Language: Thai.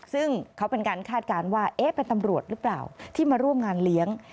ซึ่งเขาเป็นการคาดการณ์ว่าเป็นตำรวจหรือเปล่าที่มาร่วมงานเลี้ยง